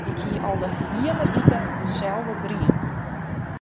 Ik hie al de hiele wike deselde dream.